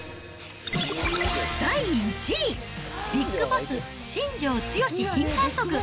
第１位、ビッグボス新庄剛志新監督。